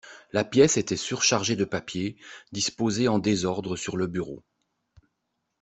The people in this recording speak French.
La pièce était surchargée de papiers, disposés en désordre sur le bureau